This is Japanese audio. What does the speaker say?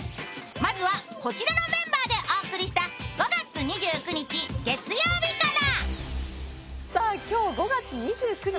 まずはこちらのメンバーでお送りした５月２９日月曜日から。